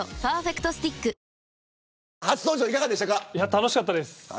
楽しかったです。